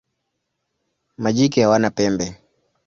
Majike hawana pembe.